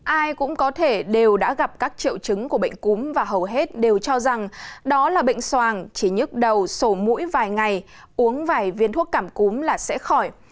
ai cũng có thể đều đã gặp các triệu chứng của bệnh cúm và hầu hết đều cho rằng đó là bệnh soàng chỉ nhức đầu sổ mũi vài ngày uống vài viên thuốc cảm cúm là sẽ khỏi